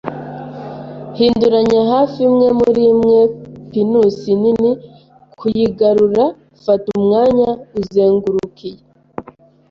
hinduranya hafi imwe murimwe pinusi nini; kuyigarura, fata umwanya uzenguruka i